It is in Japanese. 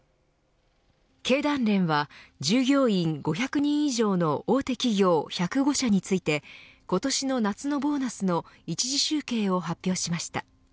経団連は従業員５００人以上の大手企業１０５社について今年の夏のボーナスの１次集計を発表しました。